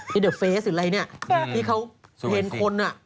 ที่เขาเย็นคน